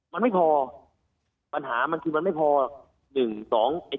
มันไม่พอปัญหามันคิดว่ามันไม่พอ